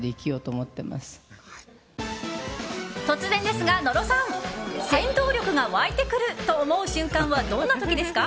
突然ですが、野呂さん戦闘力が湧いてくると思う瞬間はどんな時ですか？